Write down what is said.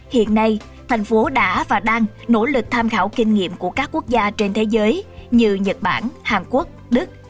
hiện nay thành phố đã và đang nỗ lực tham khảo kinh nghiệm của các quốc gia trên thế giới như nhật bản hàn quốc đức